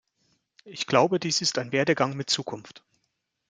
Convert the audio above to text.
Ich glaube, dies ist ein Werdegang mit Zukunft.